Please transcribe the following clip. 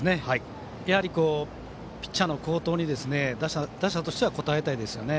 やはりピッチャーの好投に打者としては応えたいですよね。